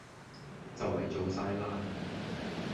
就嚟做晒喇